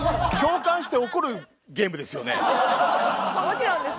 もちろんです。